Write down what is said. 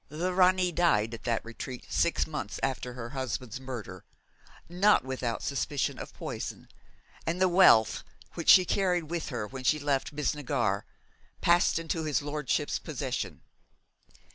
The Ranee died at that retreat six months after her husband's murder, not without suspicion of poison, and the wealth which she carried with her when she left Bisnagar passed into his lordship's possession.